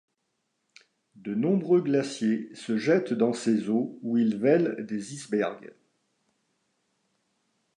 De nombreux glaciers se jettent dans ses eaux où ils vêlent des icebergs.